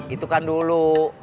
itu kan dulu